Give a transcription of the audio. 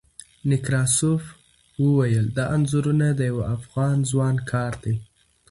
نکراسوف وویل، دا انځورونه د یوه افغان ځوان کار دی.